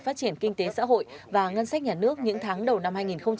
phát triển kinh tế xã hội và ngân sách nhà nước những tháng đầu năm hai nghìn hai mươi